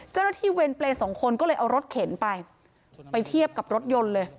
เจ้าหน้าที่เวรเปรย์สองคนก็เลยเอารถเข็นไปไปเทียบกับรถยนต์เลย